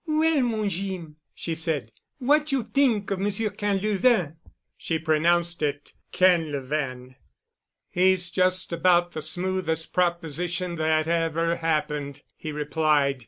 "Well, mon Jeem*," she said, "what you t'ink of Monsieur Quinlevin?" (She pronounced it Canl'van.) "He's just about the smoothest proposition that ever happened," he replied.